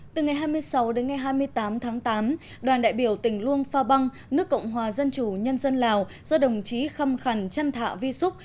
từ ngày hai mươi sáu đến ngày hai mươi tám tháng tám đoàn đại biểu tỉnh luông pha băng nước cộng hòa dân chủ nhân dân lào do đồng chí khăm khần chân thạ vi xúc